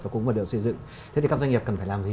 và cũng vấn đề xây dựng thế thì các doanh nghiệp cần phải làm gì